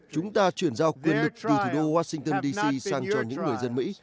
chúng ta chuyển giao quyền lực từ thủ đô washington d c sang cho những người dân mỹ